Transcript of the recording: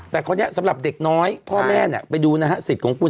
แต่คนนี้สำหรับเด็กน้อยพ่อแม่เนี่ยไปดูนะฮะสิทธิ์ของคุณ